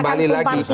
akan tumpang pintu